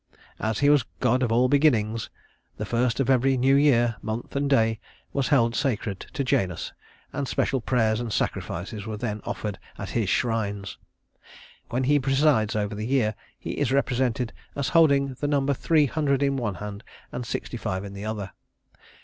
As he was god of all beginnings, the first of every new year, month, and day was held sacred to Janus, and special prayers and sacrifices were then offered at his shrines. When he presides over the year, he is represented as holding the number three hundred in one hand and sixty five in the other.